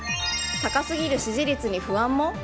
高すぎる支持率に不安も？